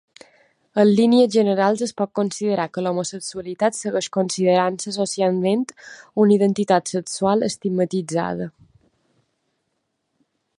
En línies generals es pot considerar que l'homosexualitat segueix considerant-se socialment una identitat sexual estigmatitzada.